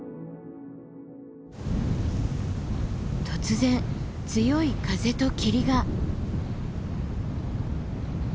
突然強い風と霧が。